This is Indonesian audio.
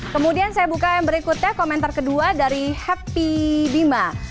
kemudian saya buka yang berikutnya komentar kedua dari happy bima